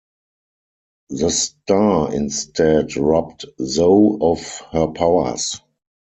The Star instead robbed Zoe of her powers.